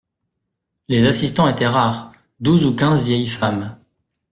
Les assistants étaient rares, douze ou quinze vieilles femmes.